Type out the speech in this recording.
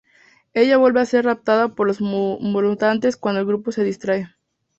Ella vuelve a ser raptada por los mutantes cuando el grupo se distrae.